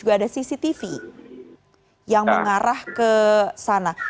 ada cctv yang mengarah ke sana